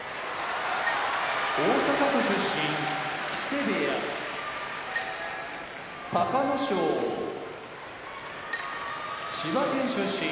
大阪府出身木瀬部屋隆の勝千葉県出身